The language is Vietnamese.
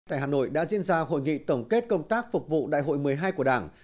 tại hà nội đã diễn ra hội nghị tổng kết công tác phục vụ đại hội một mươi hai của đảng